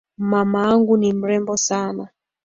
Mamangu ni mrembo sana.